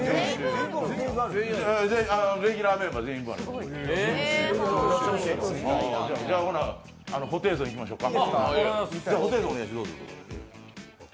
レギュラーメンバー全員分あります、ホテイソンいきましょうか。